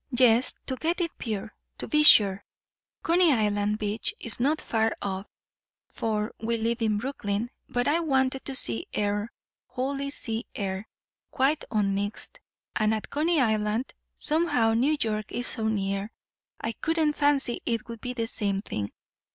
"Yes, to get it pure. To be sure, Coney Island beach is not far off for we live in Brooklyn; but I wanted the sea air wholly sea air quite unmixed; and at Coney Island, somehow New York is so near, I couldn't fancy it would be the same thing.